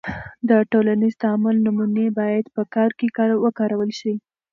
د ټولنیز تعامل نمونې باید په کار کې وکارول سي.